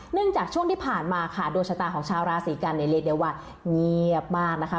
จากช่วงที่ผ่านมาค่ะดวงชะตาของชาวราศีกันเนี่ยเรียกได้ว่าเงียบมากนะคะ